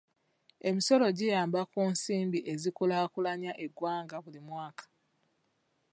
Emisolo giyamba ku nsimbi ezikulaakulanya eggwanga buli mwaka.